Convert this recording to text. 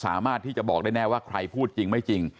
สามารถที่จะบอกได้แน่ว่าใครพูดจริงไม่จริง